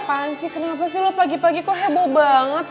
apaan sih lo kenapa pagi pagi kok heboh banget